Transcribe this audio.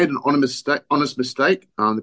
jika anda membuat kesalahan yang jujur